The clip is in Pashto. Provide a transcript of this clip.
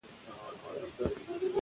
د خاورې په څېر متواضع اوسئ.